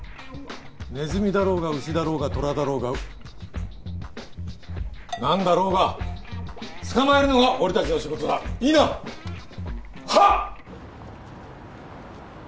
ネズミだろうがウシだろうがトラだろうが何だろうが捕まえるのが俺達の仕事だいいなはっ！